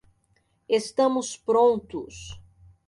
Estamos prontos